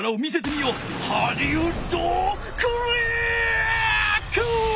ハリウッドクリック！